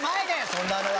そんなのは。